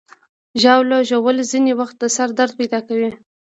ژاوله ژوول ځینې وخت د سر درد پیدا کوي.